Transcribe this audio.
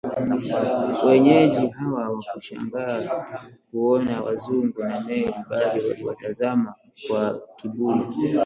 Wenyeji hawa hawakushangaa kuona wazungu na meli; bali waliwatazama kwa kiburi